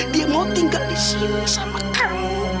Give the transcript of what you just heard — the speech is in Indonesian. dia mau tinggal di sini sama kamu